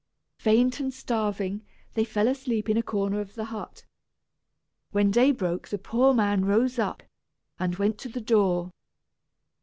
Faint and starving, they fell asleep in a corner of the hut. When day broke the poor man rose up, and went to the door.